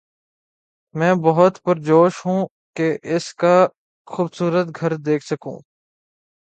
میں بہت پرجوش ہوں کہ اس کا خوبصورت گھر دیکھ سکوں